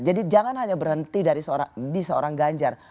jadi jangan hanya berhenti di seorang ganjar